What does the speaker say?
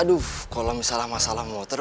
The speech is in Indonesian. aduh kalau misalnya masalah motor